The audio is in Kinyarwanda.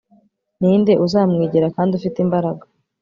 Ninde uzamwegera kandi ufite imbaraga